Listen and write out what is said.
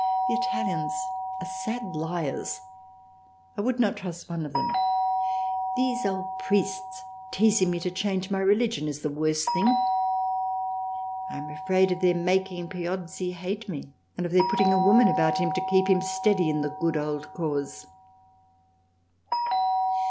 The Italians are sad Liars, I would not trust one of them. These old priests teizing me to change my religion is the worse thing. I am afraid of their making Piozzi hate me, and of their putting a Woman about him to keep him steady in the Good Old Cause.